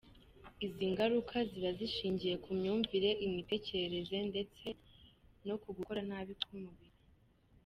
Izi ngaruka ziba zishingiye ku myumvire, imitekerereze ndetse no ku gukora nabi k'umubiri.